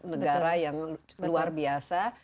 negara yang luar biasa